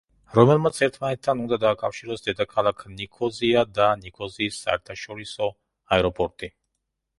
რომელმაც ერთმანეთთან უნდა დააკავშიროს დედაქალაქ ნიქოზია და ნიქოზიის საერთაშორისო აეროპორტი.